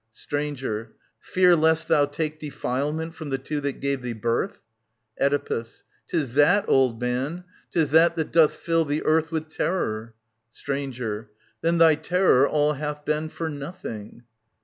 Stranger. Fear lest thou take Defilement from the two that gave thee birth ? Oedipus. 'Tis that, old man, 'tis that doth fill the earth With terror. Stranger. Then thy terror all hath been For nothing.